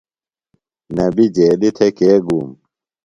نبی جیلیۡ تھےۡ کے گُوم ؟